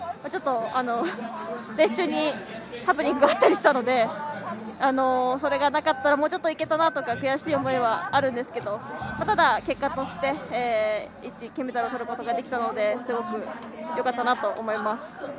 ちょっと、レース中にハプニングがあったりしたのでそれがなかったらもうちょっと行けたなとか悔しい思いはあるんですけどただ結果として１位、金メダルをとることができたのですごくよかったなと思います。